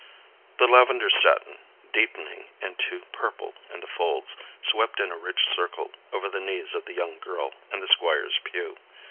The lavender satin, deepening into purple in the folds, swept in a rich circle over the knees of the young girl in the Squire's pew.